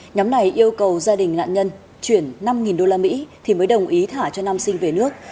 nhóm này yêu cầu gia đình nạn nhân chuyển năm usd thì mới đồng ý thả cho nam sinh về nước